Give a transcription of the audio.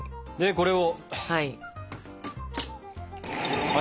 これを。